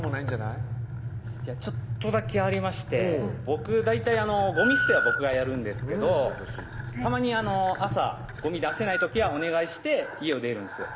いやちょっとだけありまして大体ゴミ捨ては僕がやるんですけどたまに朝ゴミ出せない時はお願いして家を出るんですよ